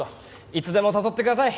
いつでも誘ってください。